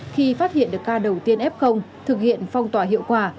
khi phát hiện được ca đầu tiên f thực hiện phong tỏa hiệu quả